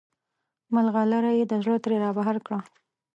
مرغلره یې د زړه ترې رابهر کړه.